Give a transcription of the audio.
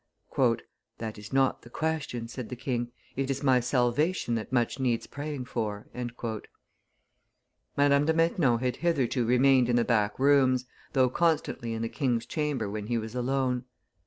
"That is not the question," said the king "it is my salvation that much needs praying for." Madame de Maintenon had hitherto remained in the back rooms, though constantly in the king's chamber when he was alone.